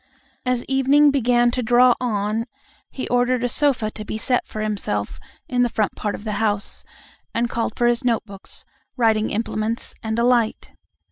As evening began to draw on, he ordered a sofa to be set for himself in the front part of the house, and called for his notebooks, writing implements, and a light.